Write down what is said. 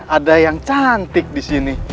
ada yang cantik disini